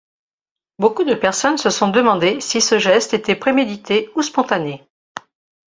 Beaucoup de personnes se sont demandé si ce geste était prémédité ou spontané.